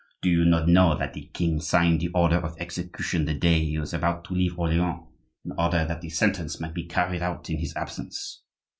"Do you not know that the king signed the order of execution the day he was about to leave Orleans, in order that the sentence might be carried out in his absence?"